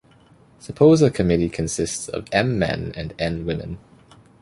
Suppose a committee consists of "m" men and "n" women.